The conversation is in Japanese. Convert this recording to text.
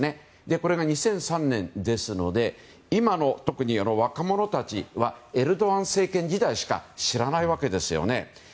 それが２００３年なので今の若者たちはエルドアン政権時代しか知らないわけですよね。